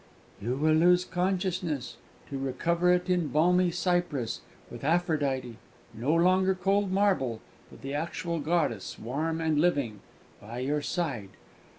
"You will lose consciousness, to recover it in balmy Cyprus, with Aphrodite (no longer cold marble, but the actual goddess, warm and living), by your side!